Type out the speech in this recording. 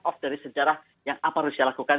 off dari sejarah yang apa rusia lakukan